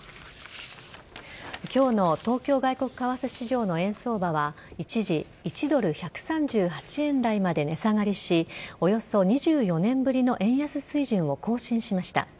今日の東京外国為替市場の円相場は一時１ドル１３８円台まで値下がりしおよそ２４年ぶりの円安水準を更新しました。